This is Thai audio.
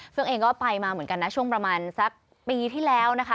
เองก็ไปมาเหมือนกันนะช่วงประมาณสักปีที่แล้วนะคะ